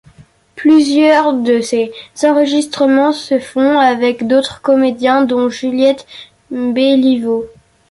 Plusieurs de ses enregistrements se font avec d'autres comédiens dont Juliette Béliveau.